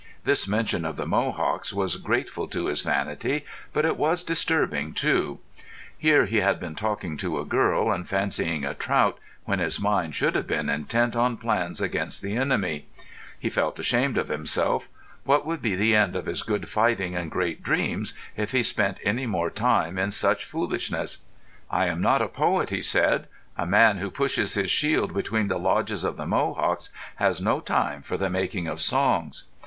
This mention of the Mohawks was grateful to his vanity, but it was disturbing too. Here he had been talking to a girl and catching a trout, when his mind should have been intent on plans against the enemy. He felt ashamed of himself. What would be the end of his good fighting and great dreams if he spent any more time in such foolishness? "I am not a poet," he said. "A man who pushes his shield between the lodges of the Mohawks has no time for the making of songs."